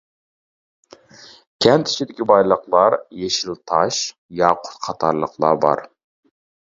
كەنت ئىچىدىكى بايلىقلار يېشىل تاش، ياقۇت قاتارلىقلار بار.